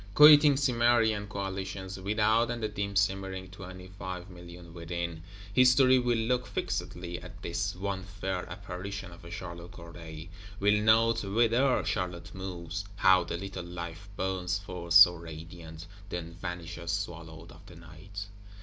Quitting Cimmerian Coalitions without, and the dim simmering twenty five million within, History will look fixedly at this one fair Apparition of a Charlotte Corday; will note whither Charlotte moves, how the little Life burns forth so radiant, then vanishes swallowed of the Night.